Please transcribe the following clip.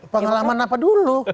pengalaman apa dulu